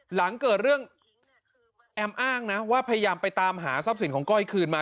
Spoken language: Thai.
หลังเกิดเรื่องแอมอ้างนะว่าพยายามไปตามหาทรัพย์สินของก้อยคืนมา